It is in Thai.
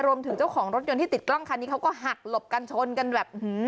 รวมถึงเจ้าของรถยนต์ที่ติดกล้องคันนี้เขาก็หักหลบกันชนกันแบบ